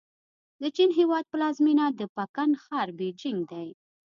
د چین هېواد پلازمېنه د پکن ښار بیجینګ دی.